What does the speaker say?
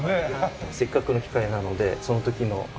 せっかくの機会なのでその時の荒川さんの。